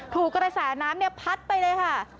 ถูกกระแสน้ำพัดไปเลยค่ะ